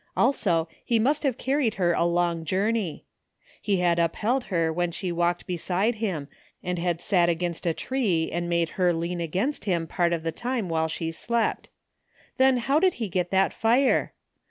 Also he must have carried her a long joiuTiey. He had upheld her when she walked beside him, and had sat against a tree and made her lean against him part of the time while she slept Then how did he get that fire?